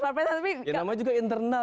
namanya juga internal